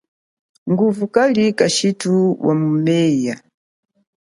Nguvu kashithu wa mumeya.